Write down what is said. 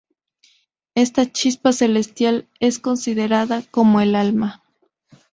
Esta chispa celestial es considerada como el alma.